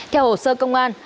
theo hồ sơ công an